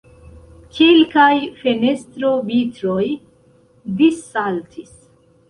Kelkaj fenestrovitroj dissaltis.